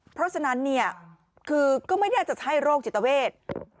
เพราะฉะนั้นคือก็ไม่ได้จัดให้โรคจิตเวท